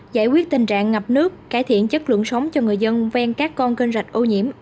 giải quyết tình trạng ngập nước cải thiện chất lượng sống cho người dân ven các con kênh rạch ô nhiễm